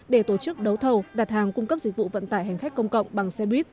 để tổ chức đấu thầu đặt hàng cung cấp dịch vụ vận tải hành khách công cộng bằng xe buýt